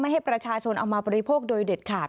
ให้ประชาชนเอามาบริโภคโดยเด็ดขาด